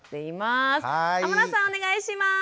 お願いします！